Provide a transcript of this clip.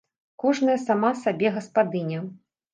Кожная сама сабе гаспадыня.